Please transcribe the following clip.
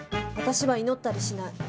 私は祈ったりしない。